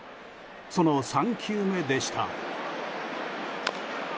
その３球目でした。